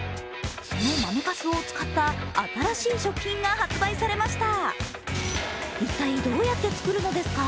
その豆かすを使った新しい食品が発売されました。